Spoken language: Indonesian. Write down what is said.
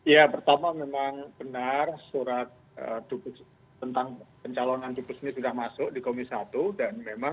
ya pertama memang benar surat dupes tentang penyelidikan